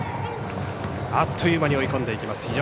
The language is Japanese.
あっという間に追い込んでいきます。